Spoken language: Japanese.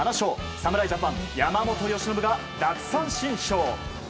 侍ジャパン、山本由伸が奪三振ショー！